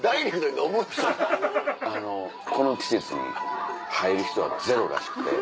この季節に入る人はゼロらしくて。